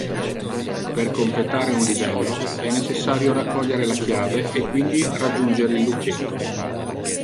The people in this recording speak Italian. Per completare un livello è necessario raccogliere la chiave e quindi raggiungere il lucchetto.